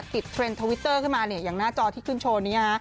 ติดเทรนด์ทวิตเตอร์ขึ้นมาอย่างหน้าจอที่ขึ้นโชว์นี้